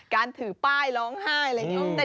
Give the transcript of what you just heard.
การถือป้ายร้องไห้อะไรอย่างนี้